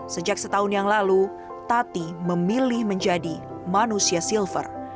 sejak setahun yang lalu tati memilih menjadi manusia silver